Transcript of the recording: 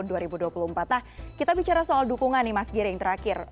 nah kita bicara soal dukungan nih mas giring terakhir